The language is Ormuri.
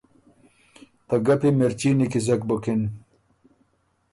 ته ګپی مرچي نیکیزک بُکِن۔